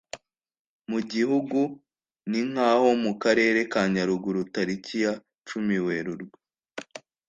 mu gihugu ni nk’aho mu karere ka Nyaruguru tariki ya cumi Werurwe